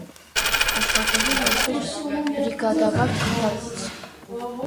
Աշխատել է որպես բրիգադավար, թղթակից։